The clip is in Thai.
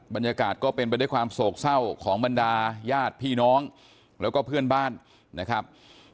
บรรยากาศก็เป็นไปด้วยความโศกเศร้าของบรรดาญาติพี่น้องแล้วก็เพื่อนบ้านนะครับ